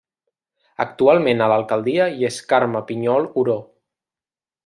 Actualment a l'alcaldia hi és Carme Pinyol Oró.